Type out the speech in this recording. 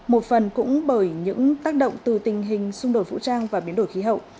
một phần cũng bởi những tác động từ tình hình xung đột vũ trang và biến đổi khí hậu